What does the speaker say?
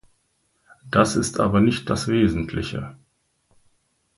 Das ist aber nicht das Wesentliche.